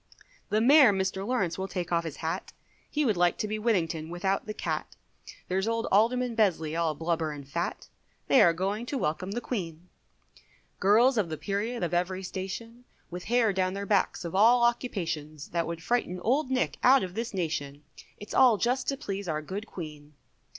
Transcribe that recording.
The Mayor, Mr Lawrence will take off his hat, He would like to be Whittington without the cat, There's old Alderman Besley, all blubber and fat, They are going to welcome the Queen, Girls of the period, of every station, With hair down their backs of all occupations, That would frighten Old Nick out of this nation, It's all just to please our good Queen.